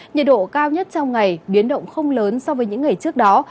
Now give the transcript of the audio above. nhiệt độ cao nhất trong ngày biến động không lớn so với những ngày trước đó